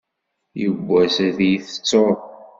Yiwwass ad yi-tettuḍ.